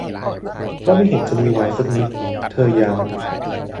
'ก็ไม่เห็นจะมีไวน์สักนิด' เธอย้ำ